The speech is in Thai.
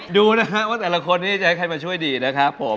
ดูนะฮะว่าแต่ละคนนี้จะให้ใครมาช่วยดีนะครับผม